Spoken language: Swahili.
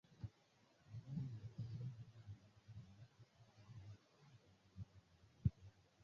Kampala inasafirisha kwenda Jamuhuri ya Demokrasia ya Kongo bidhaa za thamani ya dola milioni sabini na nne